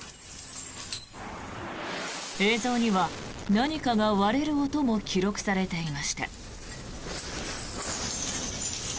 映像には何かが割れる音も記録されていました。